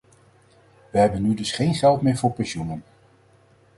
We hebben nu dus geen geld meer voor pensioenen.